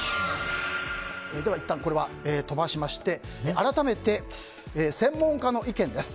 いったん、これは飛ばしまして改めて専門家の意見です。